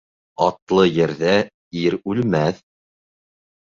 Атлы ерҙә ир үлмәҫ.